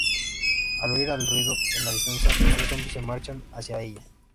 Al oír el ruido en la distancia, los tres zombis se marchan hacia ella.